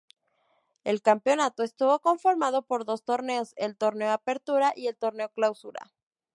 El campeonato estuvo conformado por dos torneos, el Torneo Apertura y el Torneo Clausura.